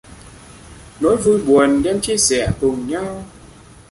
Nỗi vui buồn đem chia sẻ cùng nhau